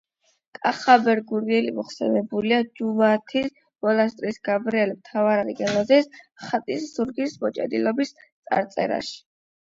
კახაბერ გურიელი მოხსენიებულია ჯუმათის მონასტრის გაბრიელ მთავარანგელოზის ხატის ზურგის მოჭედილობის წარწერაში.